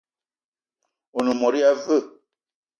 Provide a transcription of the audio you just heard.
One mot ya veu?